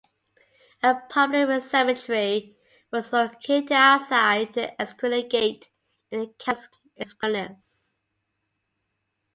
A public cemetery was located outside the Esquiline Gate, in the Campus Esquilinus.